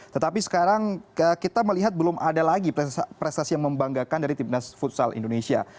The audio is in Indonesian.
tetapi sekarang kita melihat belum ada lagi prestasi yang membanggakan dari timnas futsal indonesia